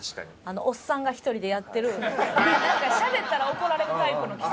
おっさんが１人でやってるなんかしゃべったら怒られるタイプの喫茶店。